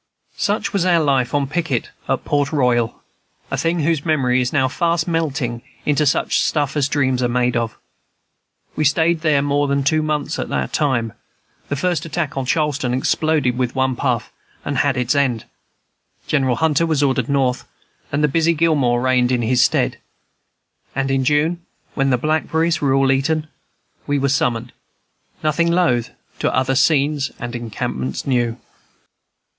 Such was our life on picket at Port Royal, a thing whose memory is now fast melting into such stuff as dreams are made of. We stayed there more than two months at that tune; the first attack on Charleston exploded with one puff, and had its end; General Hunter was ordered North, and the busy Gilmore reigned in his stead; and in June, when the blackberries were all eaten, we were summoned, nothing loath, to other scenes and encampments new.